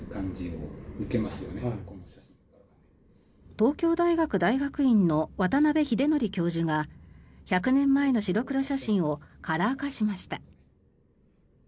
東京大学大学院の渡邉英徳教授が１００年前の白黒写真をカラー化しました。